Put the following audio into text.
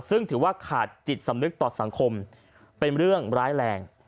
ซึ่งถือว่าขาดจิตสำนึกต่อสังคมเป็นเรื่องร้ายแรง